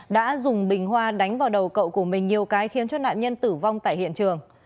đã dùng bình hoa đánh vào đầu cậu của mình nhiều cái khiến cho nạn nhân tử vong tại hiện trường